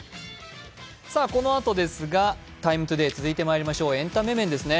このあとですが「ＴＩＭＥ，ＴＯＤＡＹ」続いてまいりましょうエンタメ面ですね。